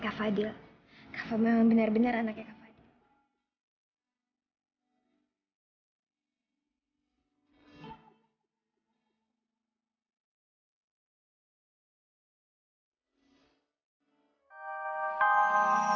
kak yile kafa itu memang anak k delivering